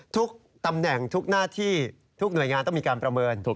ทุกตำแหน่งทุกหน้าที่ทุกหน่วยงานต้องมีการประเมิน